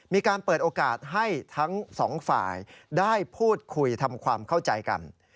มีการเปิดโอกาสให้ทั้งสองฝ่ายได้พูดคุยทำความเข้าใจกัน